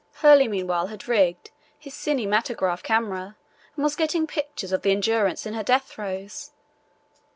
Hurley meanwhile had rigged his kinematograph camera and was getting pictures of the Endurance in her death throes.